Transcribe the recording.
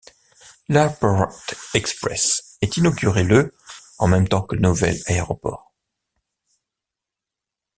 L'Airport Express est inauguré le en même temps que le nouvel aéroport.